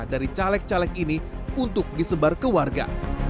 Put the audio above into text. dari caleg caleg ini untuk disebar ke warga